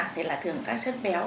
thì là thường các chất béo